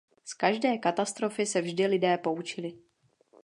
Z každé katastrofy se vždy lidé poučili.